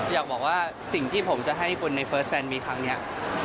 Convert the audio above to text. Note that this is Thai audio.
อยากบอกว่าสิ่งที่ผมจะให้คนในเฟิร์สแฟนมีครั้งนี้